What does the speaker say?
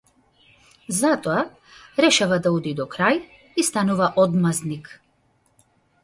Затоа, решава да оди до крај и станува одмаздник.